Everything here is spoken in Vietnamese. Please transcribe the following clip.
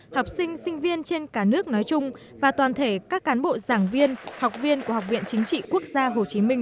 học sinh sinh viên trên cả nước nói chung và toàn thể các cán bộ giảng viên học viên của học viện chính trị quốc gia hồ chí minh